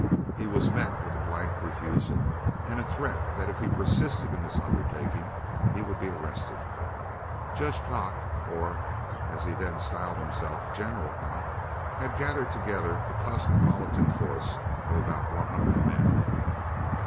He was met with a blank refusal, and a threat that if he persisted in this undertaking he would be arrested. Judge Kock, or, as he then styled himself, "General" Kock, had gathered together a cosmopolitan force of about 100 men.